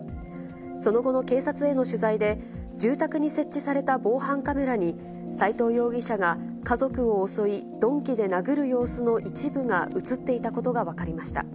その後の警察への取材で、住宅に設置された防犯カメラに、斎藤容疑者が家族を襲い、鈍器で殴る様子の一部が写っていたことが分かりました。